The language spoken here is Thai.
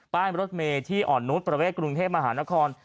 รถเมย์ที่อ่อนนุษย์ประเวทกรุงเทพมหานคร